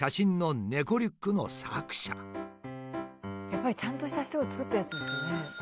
やっぱりちゃんとした人が作ってるやつなんですね。